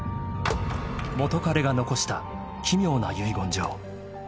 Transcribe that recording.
［元カレが残した奇妙な遺言状］